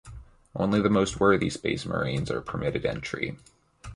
Only the most worthy Space Marines are permitted entry.